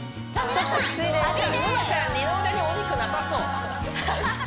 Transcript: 沼ちゃん二の腕にお肉なさそうハハハ